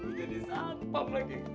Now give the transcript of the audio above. jadi sampah lagi